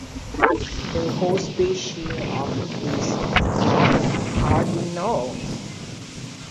The host species of this moth are unknown.